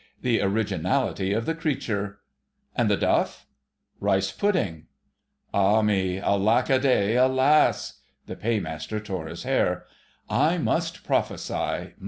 "The originality of the creature! And the duff?" "Rice pudding." "Ah me! alack a day! alas!" The Paymaster tore his hair. "I must prophesy